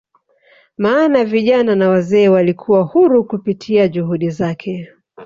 maana vijana na wazee walikuwa huru kupitia juhudi zake